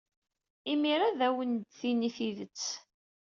Imir-a ad awen-d-tini tidet.